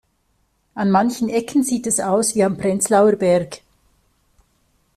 An manchen Ecken sieht es aus wie am Prenzlauer Berg.